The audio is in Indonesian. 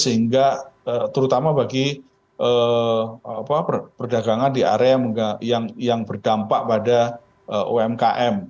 sehingga terutama bagi perdagangan di area yang berdampak pada umkm